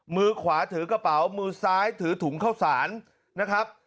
มือขวาถือกระเป๋ามือซ้ายถือถุงเข้าสารนะครับ